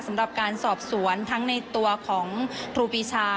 สำหรับการสอบสวนทั้งในตัวของครูปีชา